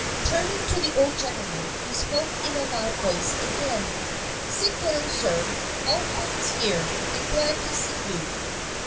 Turning to the old gentleman, he spoke in a loud voice again, "Sit down, sir. All friends here, and glad to see you."